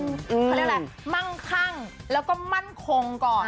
เขาเรียกอะไรมั่งคั่งแล้วก็มั่นคงก่อน